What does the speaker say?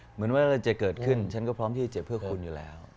เหมือนว่าอะไรจะเกิดขึ้นฉันก็พร้อมที่จะเจ็บเพื่อคุณอยู่แล้ว